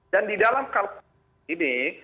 dan di dalam ini